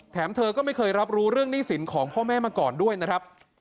เธอก็ไม่เคยรับรู้เรื่องหนี้สินของพ่อแม่มาก่อนด้วยนะครับ